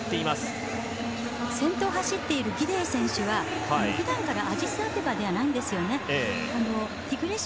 先頭を走っているギデイ選手は普段からアジスアベバではないんですよね。